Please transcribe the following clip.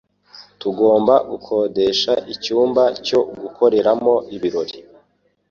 Tugomba gukodesha icyumba cyo gukoreramo ibirori.